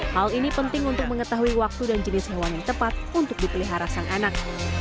hal ini penting untuk mengetahui waktu dan jenis hewan yang tepat untuk dipelihara sang anak